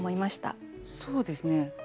そうですね